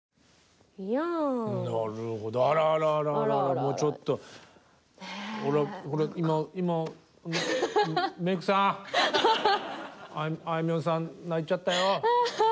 もうちょっと今メークさんあいみょんさん泣いちゃったよ。